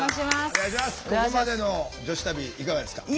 ここまでの女子旅いかがですか？